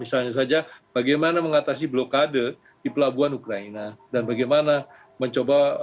misalnya saja bagaimana mengatasi blokade di pelabuhan ukraina dan bagaimana mencoba